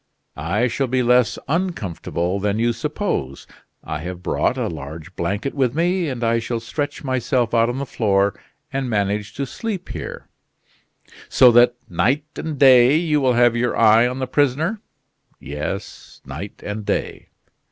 "I shall be less uncomfortable than you suppose; I have brought a large blanket with me, and I shall stretch myself out on the floor and manage to sleep here." "So that, night and day, you will have your eye on the prisoner?" "Yes, night and day."